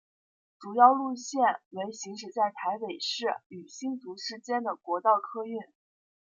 主要路线为行驶在台北市与新竹市间的国道客运。